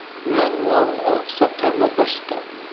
مەن مۇئاۋىن ئارقا سەپ تەمىنات باشلىقى.